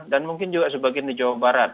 dan mungkin juga sebagian di jawa barat